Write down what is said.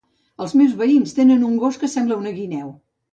Els meus veïns tenen un gos que sembla una guineu.